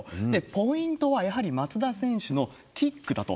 ポイントは、やはり松田選手のキックだと。